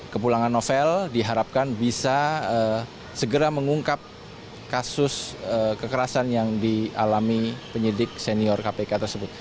kepulangan novel diharapkan bisa segera mengungkap kasus kekerasan yang dialami penyidik senior kpk tersebut